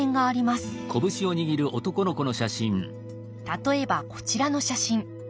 例えばこちらの写真。